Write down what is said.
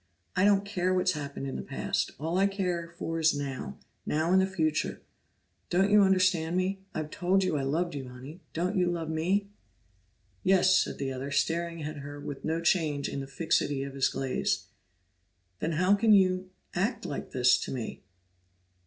I don't care what's happened in the past; all I care for is now, now and the future. Don't you understand me? I've told you I loved you, Honey! Don't you love me?" "Yes," said the other, staring at her with no change in the fixity of his gaze. "Then how can you act like this to me?"